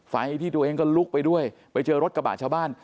ที่ตัวเองก็ลุกไปด้วยไปเจอรถกระบะชาวบ้าน